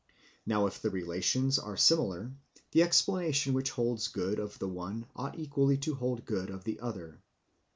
Now if the relations are similar, the explanation which holds good of the one ought equally to hold good of the other.